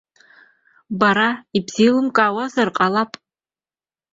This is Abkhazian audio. Бара ибзеилымкаауазар ҟалап.